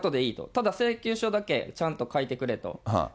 ただ請求書だけ、ちゃんと書いてくれと。